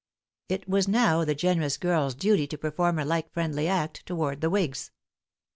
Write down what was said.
It was now the generous girl's duty to perform a like friendly act towards the whigs.